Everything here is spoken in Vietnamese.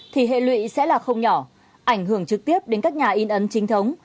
thì hệ lụy sẽ là không nhỏ ảnh hưởng trực tiếp đến các nhà in ấn chính thống